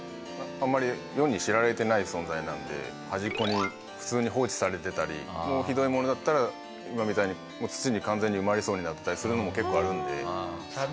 存在なので端っこに普通に放置されてたりもうひどいものだったら今みたいに土に完全に埋まりそうになってたりするのも結構あるので。